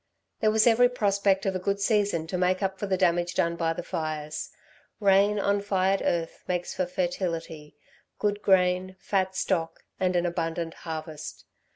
There was every prospect of a good season to make up for the damage done by the fires. Rain on fired earth makes for fertility, good grain, fat stock and an abundant harvest.